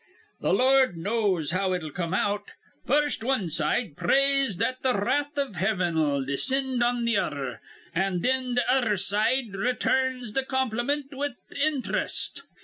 "Th' Lord knows how it'll come out. First wan side prays that th' wrath iv Hiven'll descind on th' other, an' thin th' other side returns th' compliment with inthrest.